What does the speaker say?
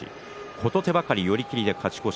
琴手計、寄り切りで勝ち越し。